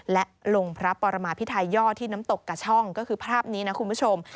และลงพระปรมาพิไทยย่อที่น้ำตกกระช่องก็คือภาพนี้นะคุณผู้ชม